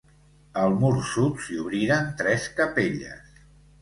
Al mur sud s'hi obriren tres capelles.